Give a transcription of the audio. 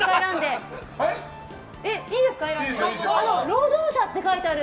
労働者って書いてある。